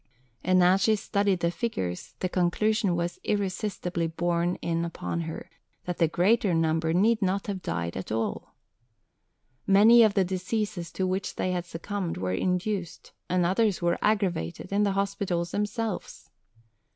And as she studied the figures, the conclusion was irresistibly borne in upon her that the greater number need not have died at all. Many of the diseases to which they had succumbed were induced, and others were aggravated, in the hospitals themselves.